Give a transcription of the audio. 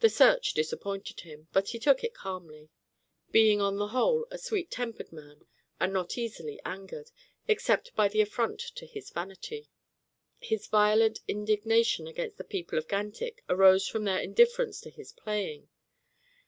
The search disappointed him, but he took it calmly being on the whole a sweet tempered man and not easily angered, except by an affront to his vanity. His violent indignation against the people of Gantick arose from their indifference to his playing.